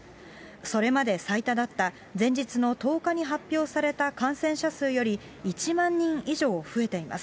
それまで最多だった前日の１０日に発表された感染者数より１万人以上増えています。